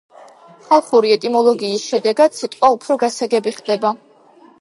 ხალხური ეტიმოლოგიის შედეგად სიტყვა უფრო გასაგები ხდება.